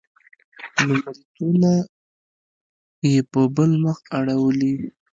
لومړیتونه یې په بل مخ اړولي.